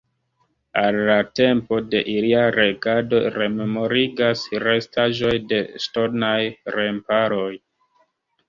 Al la tempo de ilia regado rememorigas restaĵoj de ŝtonaj remparoj.